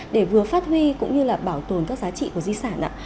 để vừa phát huy cũng như là bảo tồn các giá trị của di sản ạ